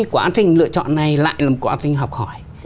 quá trình lựa chọn này lại là một quá trình học hỏi